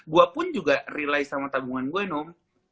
gue pun juga rely sama tabungan gue nom